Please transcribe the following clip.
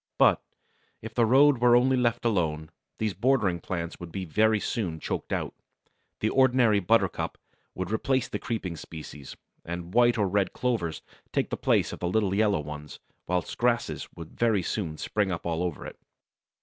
But, if the road were only left alone, these bordering plants would be very soon choked out. The ordinary buttercup would replace the creeping species, and white or red clovers take the place of the little yellow ones, whilst grasses would very soon spring up all over it.